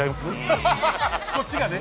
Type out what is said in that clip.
こっちがね。